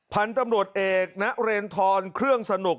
พันธุ์ตำรวจเอกณเรนทรเครื่องสนุก